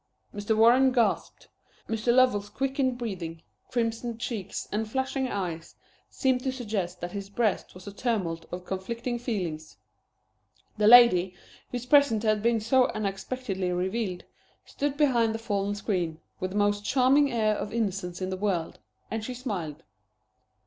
Mr. Warren gasped. Mr. Lovell's quickened breathing, crimsoned cheeks, and flashing eyes seemed to suggest that his breast was a tumult of conflicting feelings. The lady, whose presence had been so unexpectedly revealed, stood behind the fallen screen, with the most charming air of innocence in the world, and she smiled.